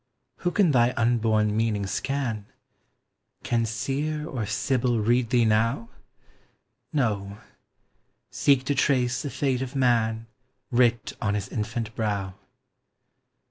Who can thy unborn meaning scan? Can Seer or Sibyl read thee now? No, seek to trace the fate of man Writ on his infant brow.